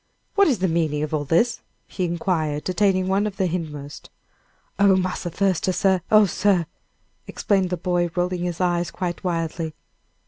"What is the meaning of all this?" he inquired, detaining one of the hindmost. "Oh, Marse Thuster, sir! oh, sir!" exclaimed the boy, rolling his eyes quite wildly.